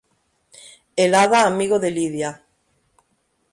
El Hada amigo de Lydia.